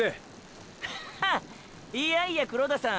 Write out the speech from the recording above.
はっいやいや黒田さん？